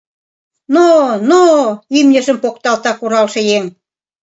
«Но-но!» имньыжым покталта куралше еҥ.